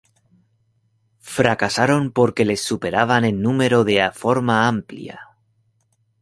Fracasaron porque les superaban en número de forma amplia.